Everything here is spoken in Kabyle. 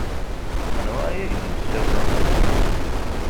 Anwa i ak-d-yessawlen?